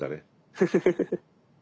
フフフフフ。